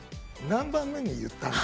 何番目に言ったの？